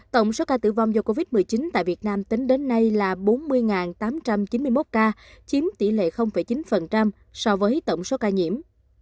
tổng số ca tử vong do covid một mươi chín tại việt nam tính đến nay là bốn mươi tám trăm chín mươi một ca chiếm tỷ lệ chín so với tổng số ca nhiễm